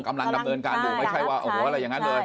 กำลังดำเนินการอยู่ไม่ใช่ว่าโอ้โหอะไรอย่างนั้นเลย